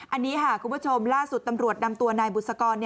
อันนี้ค่ะคุณผู้ชมล่าสุดตำรวจนำตัวนายบุษกร